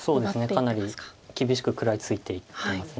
かなり厳しく食らいついていってます。